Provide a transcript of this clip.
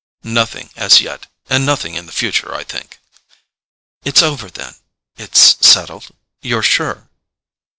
"Nothing as yet—and nothing in the future, I think." "It's over, then? It's settled? You're sure?"